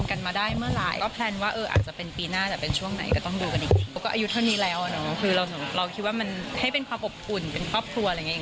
ก็อายุเท่านี้แล้วเนอะคือเราคิดว่ามันให้เป็นความอบอุ่นเป็นครอบครัวอะไรอย่างนี้